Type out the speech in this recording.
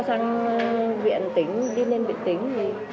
cho sang viện tính đi lên viện tính